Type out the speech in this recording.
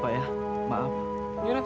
pak ini pak